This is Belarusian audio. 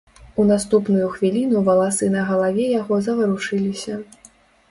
У наступную хвіліну валасы на галаве яго заварушыліся.